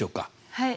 はい。